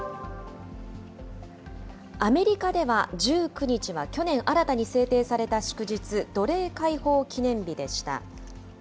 アメリカでは１９日は、去年新たに制定された祝日、奴隷解放記念日でした。